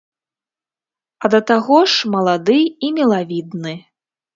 А да таго ж малады і мілавідны.